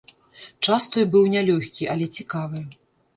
Час той быў нялёгкі, але цікавы.